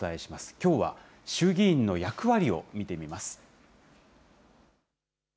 きょうは衆議院の役割を見てみます。